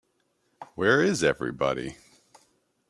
Where is Everybody?